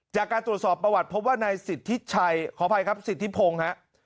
จากการตรวจสอบประวัติพบว่านายสิทธิชัยขออภัยครับสิทธิพงศ์ฮะ